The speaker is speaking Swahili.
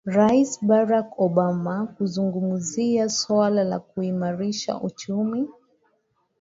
rais barak obama kuzungumzia swala la kuimarisha uchumi